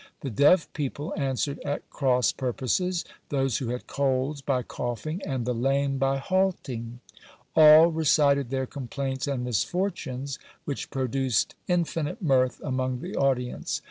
The deaf people answered at cross purposes; those who had colds by coughing, and the lame by halting; all recited their complaints and misfortunes, which produced infinite mirth among the audience.